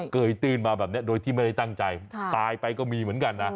เกยตื้นมาแบบนี้โดยที่ไม่ได้ตั้งใจตายไปก็มีเหมือนกันนะ